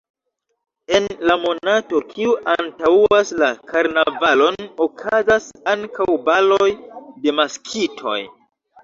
En la monato, kiu antaŭas la karnavalon, okazas ankaŭ baloj de maskitoj.